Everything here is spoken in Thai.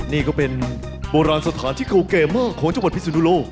นี่ก็เป็นโบราณสถานที่กูเกโม่งของจังหวัดพิสุนุโลก